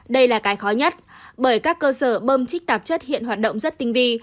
đây là cái khó nhất bởi các cơ sở bơm trích tạp chất hiện hoạt động rất tinh vi